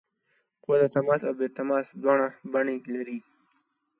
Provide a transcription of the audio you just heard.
قوه د تماس او بې تماس دواړه بڼې لري.